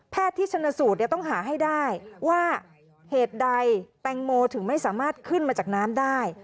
ที่ชนสูตรต้องหาให้ได้ว่าเหตุใดแตงโมถึงไม่สามารถขึ้นมาจากน้ำได้